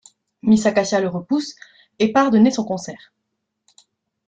Miss Acacia le repousse et part donner son concert.